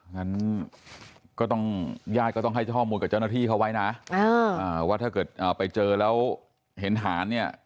งั้นก็ต้องญาติก็ต้องให้ข้อมูลกับเจ้าหน้าที่เขาไว้นะว่าถ้าเกิดไปเจอแล้วเห็นฐานเนี่ย